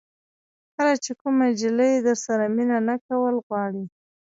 کله چې کومه جلۍ درسره مینه نه کول غواړي.